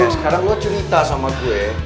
sekarang lo cerita sama gue